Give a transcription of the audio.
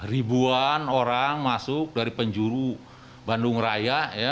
ribuan orang masuk dari penjuru bandung raya